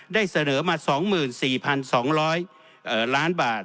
ได้เสนอมาสองหมื่นสี่พันสองร้อยเอ่อล้านบาท